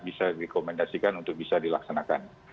bisa direkomendasikan untuk bisa dilaksanakan